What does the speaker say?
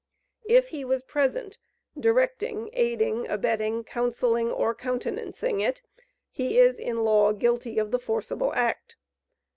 If he was present, directing, aiding, abetting, counselling, or countenancing it, he is in law guilty of the forcible act.